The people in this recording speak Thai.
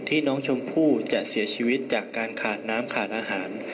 ที่น้องชมพู่จะเสียชีวิตจากการขาดน้ำขาดอาหาร